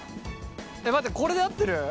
待ってこれで合ってる？